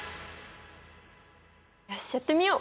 よしやってみよう！